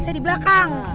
saya di belakang